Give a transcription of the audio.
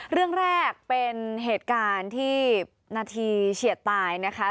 เรื่องแรกเป็นเหตุการณ์ที่นาทีเฉียดตายนะคะ